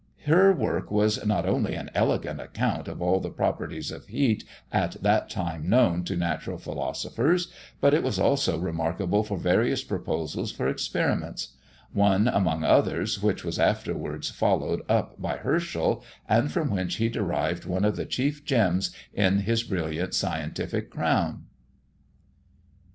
Her work was not only an elegant account of all the properties of heat at that time known to natural philosophers, but it was also remarkable for various proposals for experiments; one, among others, which was afterwards followed up by Herschel, and from which he derived one of the chief gems in his brilliant scientific crown.